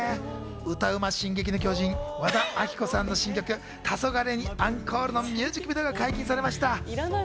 歌うま進撃の巨人・和田アキ子さんの新曲『黄昏にアンコール』のミュージックビデオが解禁されました。